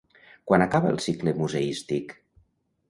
Quan acaba el cicle museístic?